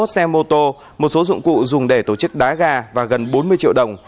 hai mươi xe mô tô một số dụng cụ dùng để tổ chức đá gà và gần bốn mươi triệu đồng